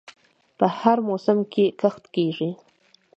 په هر موسم کې کښت کیږي.